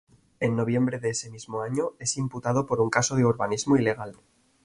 En noviembre de ese mismo año, es imputado por un caso de urbanismo ilegal.